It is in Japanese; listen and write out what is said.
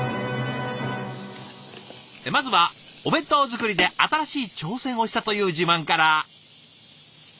まずはお弁当作りで新しい挑戦をしたという自慢から！